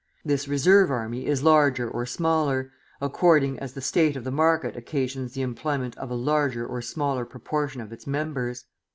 This reserve army is larger or smaller, according as the state of the market occasions the employment of a larger or smaller proportion of its members.